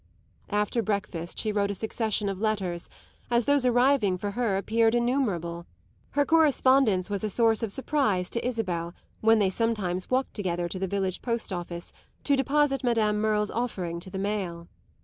After breakfast she wrote a succession of letters, as those arriving for her appeared innumerable: her correspondence was a source of surprise to Isabel when they sometimes walked together to the village post office to deposit Madame Merle's offering to the mail.